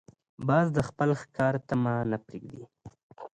باز د خپل ښکار طمع نه پرېږدي